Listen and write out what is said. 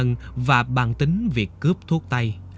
cả nhân và bàn tính việc cướp thuốc tay